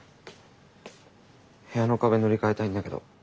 部屋の壁塗り替えたいんだけど。